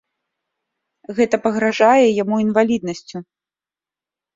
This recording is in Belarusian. Гэта пагражае яму інваліднасцю.